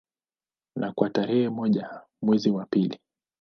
Na kwa tarehe moja mwezi wa pili